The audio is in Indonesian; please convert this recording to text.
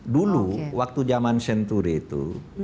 dulu waktu zaman senturi itu